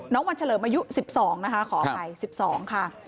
วันเฉลิมอายุ๑๒นะคะขออภัย๑๒ค่ะ